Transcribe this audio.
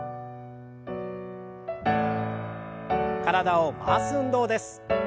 体を回す運動です。